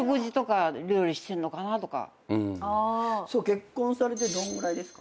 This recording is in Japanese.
結婚されてどんぐらいですか？